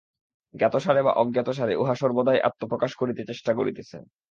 জ্ঞাতসারে বা অজ্ঞাতসারে উহা সর্বদাই আত্মপ্রকাশ করিতে চেষ্টা করিতেছে।